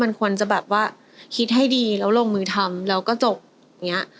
มันควรจะแบบว่าคิดให้ดีแล้วลงมือทำแล้วก็จบอย่างนี้